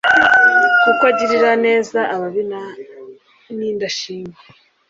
«Kuko agirira neza ababi n'indashima.»